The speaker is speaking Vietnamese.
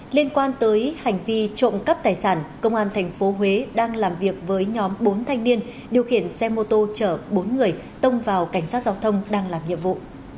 liên quan tới hành vi trộm cắp tài sản công an tp huế đang làm việc với nhóm bốn thanh niên điều khiển xe mô tô chở bốn người tông vào cảnh sát giao thông đang làm nhiệm vụ